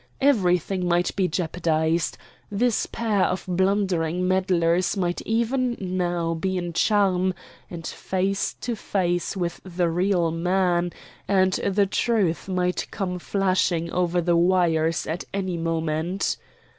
Everything might be jeopardized. This pair of blundering meddlers might even now be in Charmes, and face to face with the real man; and the truth might come flashing over the wires at any moment.